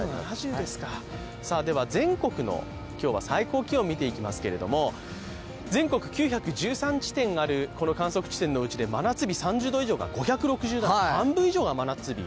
全国の今日は最高気温を見ていきますけれども、全国９１３地点ある観測地点のうち真夏日が５６７、半分以上が真夏日。